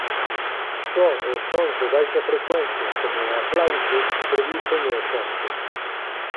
Só os sons de baixa frecuencia como o aplauso producen o efecto.